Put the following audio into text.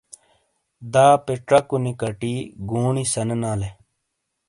داپے چکونی کٹی گونی سنیلانے۔۔